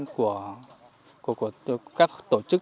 của các tổ chức